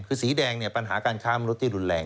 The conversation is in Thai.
คือสีแดงเนี่ยปัญหาการค้ามนุษย์ที่รุนแรง